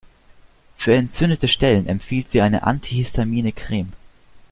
Für entzündete Stellen empfiehlt sie eine antihistamine Creme.